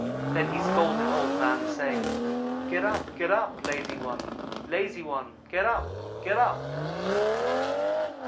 Then he scolded Old man, saying: 'Get up get up lazy one lazy one get up get up.'